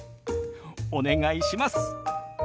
お願いします。